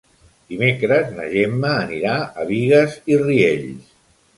Dimecres na Gemma anirà a Bigues i Riells.